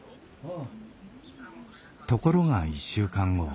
ところが１週間後。